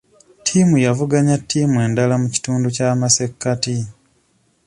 Ttiimu yavuganya ttiimu endala mu kitundu ky'amasekkati.